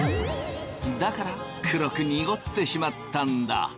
だから黒くにごってしまったんだ。